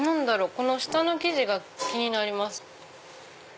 この下の生地が気になります。